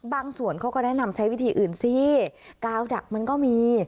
ส่วนเขาก็แนะนำใช้วิธีอื่นสิกาวดักมันก็มี